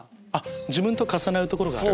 自分と重なるところがある？